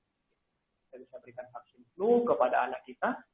kita bisa berikan vaksin flu kepada anak kita